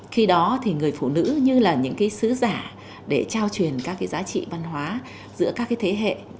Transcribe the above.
khi đó thì người phụ nữ như là những cái sứ giả để trao truyền các cái giá trị văn hóa giữa các cái thế hệ